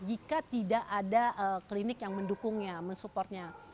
jika tidak ada klinik yang mendukungnya mensupportnya